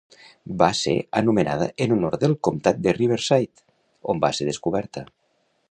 Va ser anomenada en honor del comtat de Riverside, on va ser descoberta.